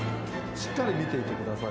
しっかり見ていてください。